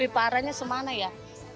wih parahnya semana ya